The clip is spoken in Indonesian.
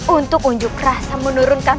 untuk unjuk rasa menurunkan